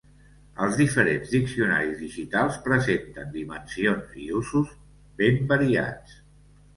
Els diferents diccionaris digitals presenten dimensions i usos ben variats.